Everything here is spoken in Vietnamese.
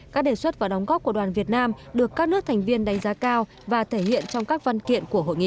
các đề xuất và đóng góp của đoàn việt nam được các nước thành viên đánh giá cao và thể hiện trong các văn kiện của hội nghị